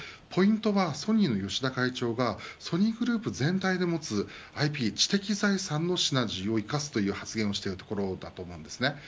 ポイントはソニーの吉田会長がソニーグループ全体でもつＩＰ、知的財産のシナジーを生かすという発言をしているところだと思います。